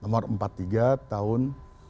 nomor empat puluh tiga tahun dua ribu lima belas